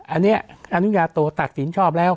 อันนี้อนุญาโตตัดสินชอบแล้ว